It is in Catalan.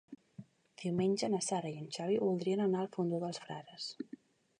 Diumenge na Sara i en Xavi voldrien anar al Fondó dels Frares.